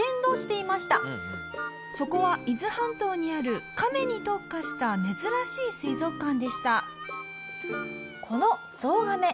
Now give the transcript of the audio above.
そこは伊豆半島にあるカメに特化した珍しい水族館でした。